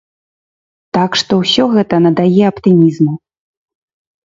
Так што ўсё гэта надае аптымізму.